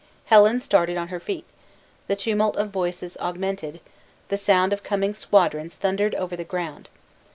Helen started on her feet; the tumult of voices augmented; the sound of coming squadrons thundered over the ground.